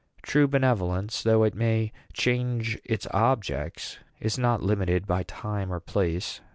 True benevolence, though it may change its objects, is not limited by time or place.